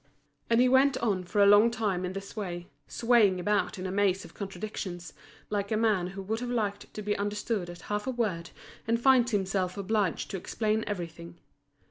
And he went on for a long time in this way, swaying about in a maze of contradictions, like a man who would have liked to be understood at half a word and finds himself obliged to explain everything.